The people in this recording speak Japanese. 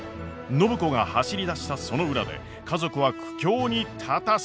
暢子が走りだしたその裏で家族は苦境に立たされていた！？